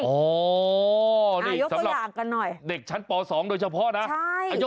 ยกตัวอย่างกันหน่อยสำหรับเด็กชั้นป๒โดยเฉพาะนะใช่